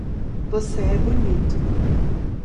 Você é bonito